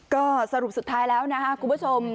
ก็สรุปสุดท้ายแล้วนะครับคุณผู้ชม